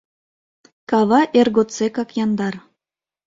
Кава эр годсекак яндар;